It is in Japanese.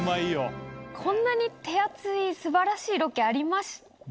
こんなに手厚い素晴らしいロケありました？